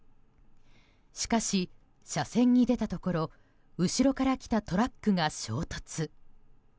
しかし、車線に出たところ後ろから来たトラックが衝突。